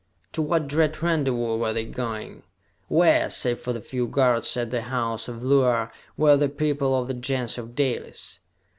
To what dread rendezvous were they going? Where, save for the few guards at the house of Luar, were the people of the Gens of Dalis?